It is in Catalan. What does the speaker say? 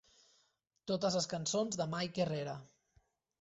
Totes les cançons de Mike Herrera.